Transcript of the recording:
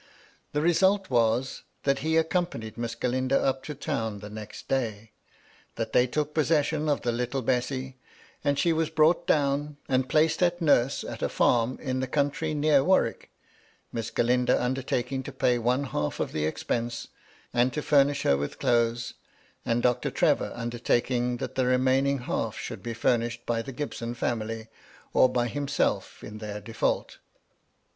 The re sult was that he accompanied Miss Galindo up to town the next day ; that they took possession of the little Bessy, and she was brought down, and placed at nurse at a farm in the country near Warwick, Miss Galindo undertaking to pay one half the expense, and to furnish her with clothes, and Dr. Trevor undertaking that the remaining half should be furnished by the Gibson family, or by himself in their default.